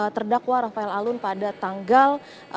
terdakwa rafael alun pada tanggal